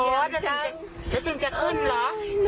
โอ้แต่ถึงจะขึ้นหรอ